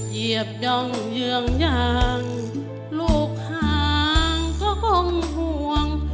เหยียบย่องเยืองอย่างลูกหางก็คงห่วง